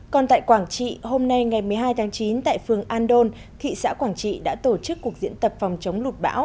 còn tại quảng trị hôm nay ngày một mươi hai tháng chín tại phường an đôn thị xã quảng trị đã tổ chức cuộc diễn tập phòng chống lụt bão